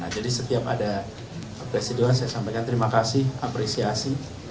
jadi setiap ada presidio saya sampaikan terima kasih apresiasi